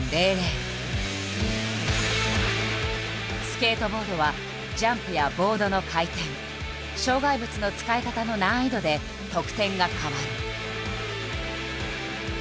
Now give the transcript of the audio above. スケートボードはジャンプやボードの回転障害物の使い方の難易度で得点が変わる。